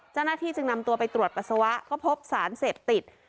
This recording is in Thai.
เจ้าหน้าที่จึงนำตัวไปตรวจปัสสาวะก็พบสารเสพติด